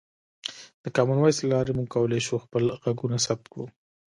د کامن وایس له لارې موږ کولی شو خپل غږونه ثبت کړو.